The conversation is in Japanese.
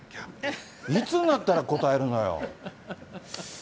いつになったら答えるのよ。